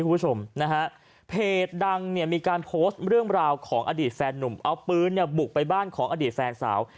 เพจดังมีการโพสต์เรื่องราวของอดีตแฟนนุ่มเอาปืนบุกไปบ้านของอดีตแฟนสาว